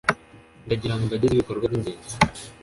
ndagira ngo mbagezeho ibikorwa by’ingenzi